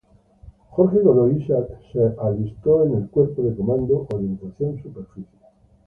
Jorge Godoy se enlistó en el Cuerpo de Comando, Orientación Superficie.